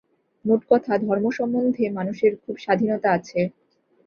মোট কথা ধর্ম সম্বন্ধে মানুষের খুব স্বাধীনতা আছে।